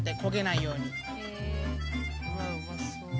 うわっうまそう。